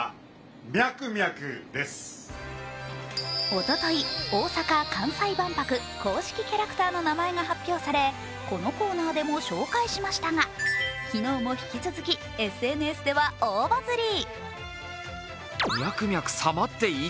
おととい、大阪・関西万博公式キャラクターの名前が発表され、このコーナーでも紹介しましたが、昨日も引き続きＳＮＳでは大バズり。